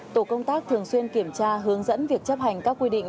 tổ công tác thường xuyên kiểm tra hướng dẫn việc chấp hành các quy định